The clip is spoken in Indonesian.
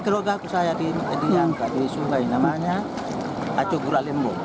keluarga saya di yang tadi sungai namanya